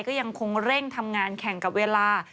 ก็ยังคงเร่งทำงานแข่งกับเวลา